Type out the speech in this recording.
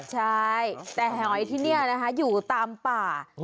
ใช่แต่หอยที่นี่นะคะอยู่ตามป่า